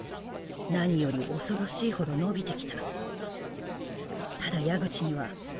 何より恐ろしいほど伸びてきた。